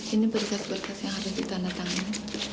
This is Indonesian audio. ini berkas berkas yang harus ditandatangani